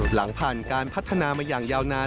หลังผ่านการพัฒนามาอย่างยาวนาน